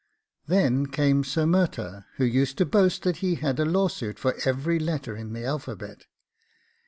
Then came Sir Murtagh, who used to boast that he had a law suit for every letter in the alphabet.